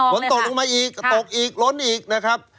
ฝนตกลงมาอีกตกอีกล้นอีกนะครับ